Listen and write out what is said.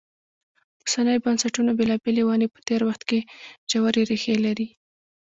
اوسنیو بنسټونو بېلابېلې ونې په تېر وخت کې ژورې ریښې لري.